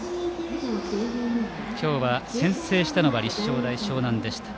今日は先制したのは立正大淞南でした。